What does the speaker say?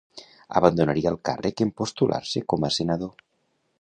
Abandonaria el càrrec en postular-se com a senador.